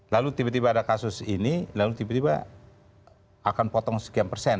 lalu tiba tiba ada kasus ini lalu tiba tiba akan potong sekian persen